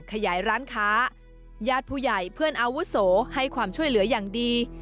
ขยายร้านค้าญาติผู้ใหญ่เพื่อนอาวุโสให้ความช่วยเหลืออย่างดี